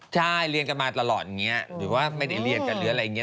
ใช่เรียนกันมาตลอดอย่างนี้หรือว่าไม่ได้เรียนกันหรืออะไรอย่างนี้